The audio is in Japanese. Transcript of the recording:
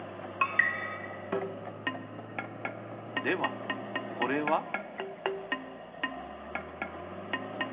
ではこれは？